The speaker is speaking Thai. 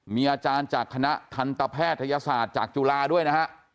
มีอาจารย์จากคณะทันตแพทยศาสตร์จากจุฬาด้วยนะฮะ